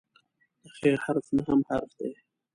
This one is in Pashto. د "خ" حرف نهم حرف دی.